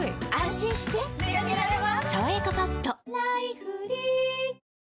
心してでかけられます